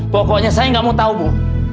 pokoknya saya nggak mau tahu bu